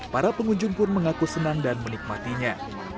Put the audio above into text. para pengunjung pun mengaku senang dan menikmatinya